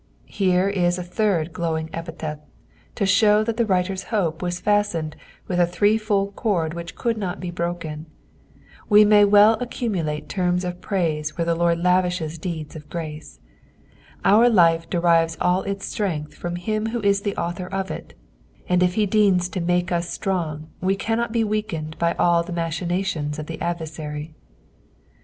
''' Here is a third glowing epithet, to show that the writer's hope was fastened with a threefold cord i^ch could not be broken. We raay well accumulate terms of praise where the Lord lavishes deeds of ^ce. Our life derives all its strength from him who is the author of it ; and if he deigns to make us strong we cannot be weakened by all the machinations of the adversary.